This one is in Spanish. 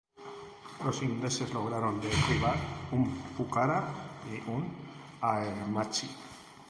Los ingleses lograron derribar un Pucará y un Aermacchi.